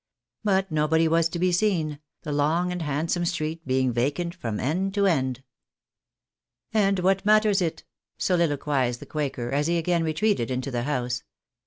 But nobody was to be seen, the long and handsome street being vacant from end to end. " And what matters it ?" soliloquised the quaker, as he again retreated into the house.